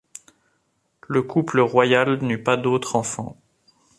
Le couple royal n'eut pas d'autres enfants.